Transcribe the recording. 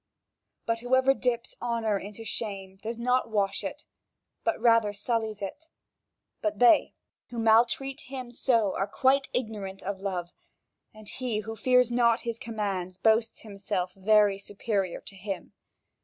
But whoever dips honour into shame, does not wash it, but rather sullies it. But they, who maltreat him so, are quite ignorant of love; and he, who fears not his commands, boasts himself very superior to him.